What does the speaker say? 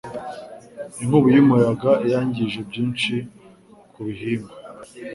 Inkubi y'umuyaga yangije byinshi ku bihingwa.